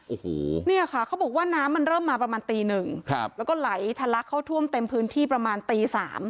โอ้โหเนี่ยค่ะเขาบอกว่าน้ำมันเริ่มมาประมาณตีหนึ่งครับแล้วก็ไหลทะลักเข้าท่วมเต็มพื้นที่ประมาณตีสาม